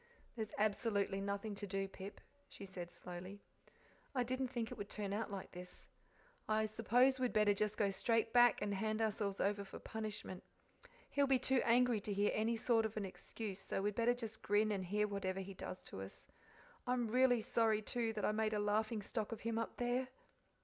"There's absolutely nothing to do, Pip," she said slowly. "I didn't think it would turn out like this. I suppose we'd better just go straight back and hand ourselves over for punishment. He'll be too angry to hear any sort of an excuse, so we'd better just grin and hear whatever he does to us. I'm really sorry, too, that I made a laughing stock of him up there."